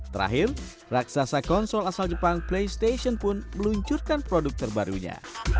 terakhir raksasa konsol asal jepang playstation pun meluncurkan produk terbarunya